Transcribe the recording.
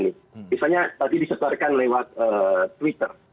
misalnya tadi disebarkan lewat twitter